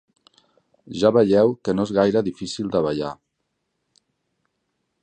Ja veieu que no és gaire difícil de ballar.